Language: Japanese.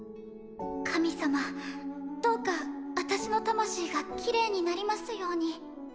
神様どうか私の魂がキレイになりますように